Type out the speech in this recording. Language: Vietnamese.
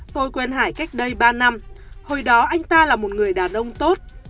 tôi quen hải cách đây ba năm hồi đó anh ta là một người đàn ông tốt